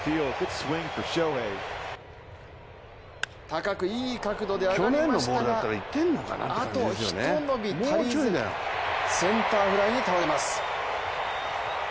高くいい角度で上がりましたが、あとひと伸び足りず、センターフライに倒れます。